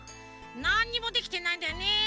なんにもできてないんだよねフフフ。